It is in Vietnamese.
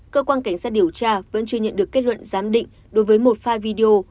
cơ quan cảnh sát điều tra vẫn chưa nhận được kết luận giám định đối với một file video